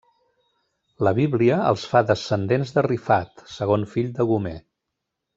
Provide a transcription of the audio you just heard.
La Bíblia els fa descendents de Rifat, segon fill de Gomer.